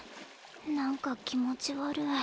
なんか気持ち悪い。